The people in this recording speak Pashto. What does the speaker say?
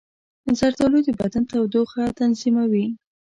زردالو د بدن تودوخه تنظیموي.